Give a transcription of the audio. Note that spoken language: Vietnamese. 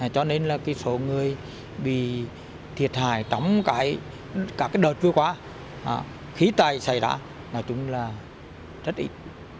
cho nên là số người bị thiệt hại trong các đợt vừa qua khí tài xảy ra nói chung là rất ít